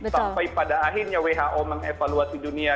sampai pada akhirnya who mengevaluasi dunia